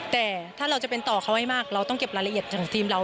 แต่ถ้าเราจะเป็นต่อเขาให้มากเราต้องเก็บรายละเอียดของทีมเรา